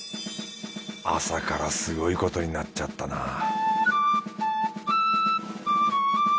朝からすごいことになっちゃったな